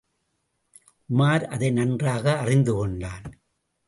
உமார் அதை நன்றாக அறிந்து கொண்டான்.